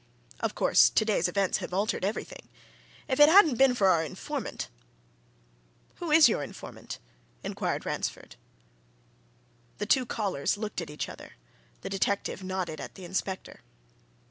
Of course, today's events have altered everything. If it hadn't been for our informant " "Who is your informant?" inquired Ransford. The two callers looked at each other the detective nodded at the inspector.